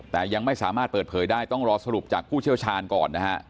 แต่ยังไม่สามารถเปิดเผยได้ต้องรอสรุปจากผู้เชี่ยวชาญก่อนนะฮะ